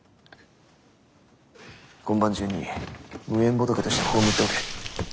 今晩中に無縁仏として葬っておけ。